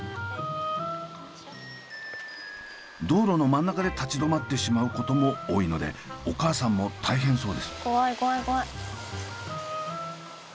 道路の真ん中で立ち止まってしまうことも多いのでお母さんも大変そうです。